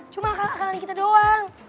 cuma akal akalan kita doang